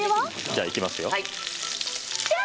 じゃあいきますよ。